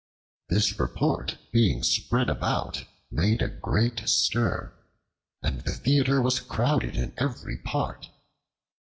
This report being spread about made a great stir, and the theater was crowded in every part.